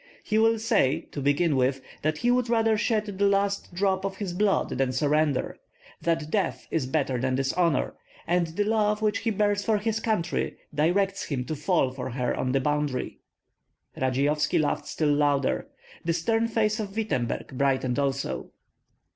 He will say, to begin with, that he would rather shed the last drop of his blood than surrender, that death is better than dishonor, and the love which he bears his country directs him to fall for her on the boundary." Radzeyovski laughed still louder. The stern face of Wittemberg brightened also.